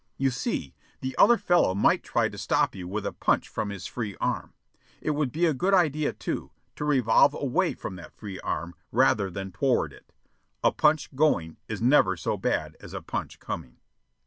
You see, the other fellow might try to stop you with a punch from his free arm. It would be a good idea, too, to revolve away from that free arm rather than toward it. A punch going is never so bad as a punch coming.